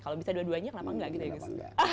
kalau bisa dua duanya kenapa enggak gitu ya